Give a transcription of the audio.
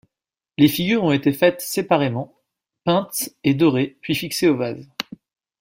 Les figures ont été faites séparément, peintes et dorées, puis fixées au vase.